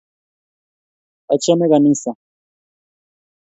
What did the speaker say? Achame kanisa